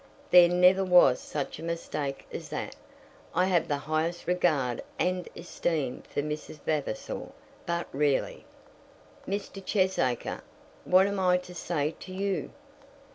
There never was such a mistake as that. I have the highest regard and esteem for Miss Vavasor, but really " "Mr. Cheesacre, what am I to say to you?"